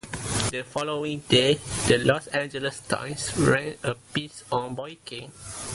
The following day the "Los Angeles Times" ran a piece on Boykin.